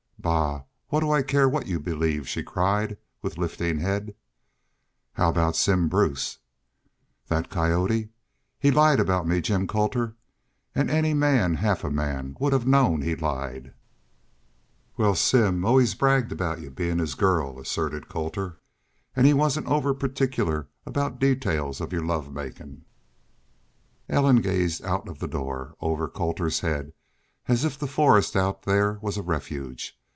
"Bah! What do I care what y'u believe?" she cried, with lifting head. "How aboot Simm Brace?" "That coyote! ... He lied aboot me, Jim Colter. And any man half a man would have known he lied." "Wal, Simm always bragged aboot y'u bein' his girl," asserted Colter. "An' he wasn't over particular aboot details of your love makin'." Ellen gazed out of the door, over Colter's head, as if the forest out there was a refuge.